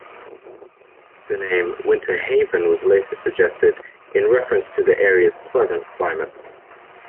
The name Winter Haven was later suggested, in reference to the area's pleasant climate.